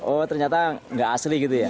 oh ternyata gak asli gitu ya